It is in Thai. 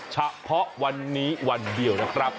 เฉพาะวันนี้วันเดียวนะครับ